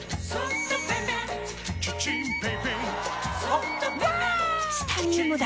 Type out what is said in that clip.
チタニウムだ！